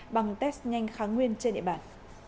bằng test nhanh kháng nguyên trên địa bàn